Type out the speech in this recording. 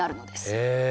へえ。